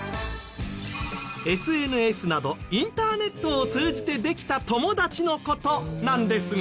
ＳＮＳなどインターネットを通じてできた友達の事なんですが。